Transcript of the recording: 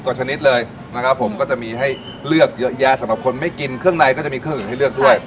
ชนิดเลยนะครับผมก็จะมีให้เลือกเยอะแยะสำหรับคนไม่กินเครื่องในก็จะมีเครื่องอื่นให้เลือกด้วย